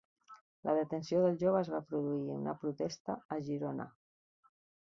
La detenció del jove es va produir en una protesta a Girona